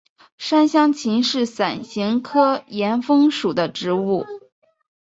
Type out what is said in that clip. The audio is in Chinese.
山香芹是伞形科岩风属的植物。